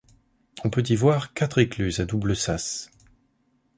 On peut y voir quatre écluses à double-sas.